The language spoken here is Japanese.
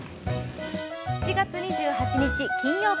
７月２８日、金曜日。